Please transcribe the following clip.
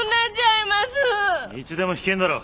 いつでも弾けんだろ。